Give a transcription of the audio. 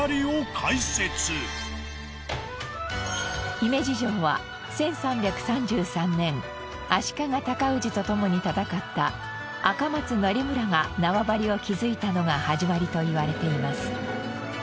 姫路城は１３３３年足利尊氏と共に戦った赤松則村が縄張りを築いたのが始まりといわれています。